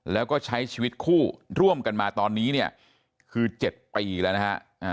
แล้วก็ใช้ชีวิตคู่ร่วมกันมาตอนนี้เนี่ยคือ๗ปีแล้วนะฮะ